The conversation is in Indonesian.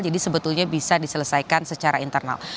jadi sebetulnya bisa diselesaikan secara internal